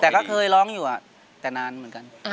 แต่ก็เคยร้องอยู่แต่นานเหมือนกัน